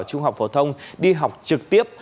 trung học phổ thông đi học trực tiếp